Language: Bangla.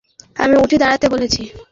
আমি উঠে দাঁড়াতে বলেছি!